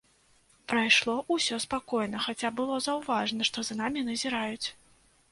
Прайшло ўсё спакойна, хаця было заўважна, што за намі назіраюць.